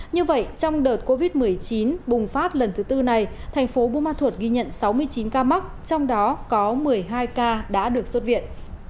như vậy trong đợt covid một mươi chín bùng phát lần thứ tư này thành phố buôn ma thuột ghi nhận sáu mươi chín ca mắc trong đó có một mươi hai ca đã được xuất viện